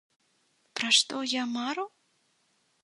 Пра што я мару?